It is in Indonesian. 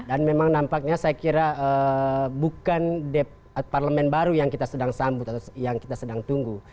dan memang nampaknya saya kira bukan parlemen baru yang kita sedang sambut atau yang kita sedang tunggu